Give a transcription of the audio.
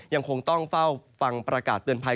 ยังคงต้องเฝ้าฟังประกาศเตือนภัย